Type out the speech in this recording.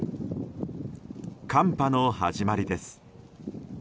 寒波の始まりです。